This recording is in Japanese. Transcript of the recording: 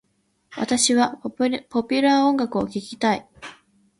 私はポピュラー音楽を聞きたい。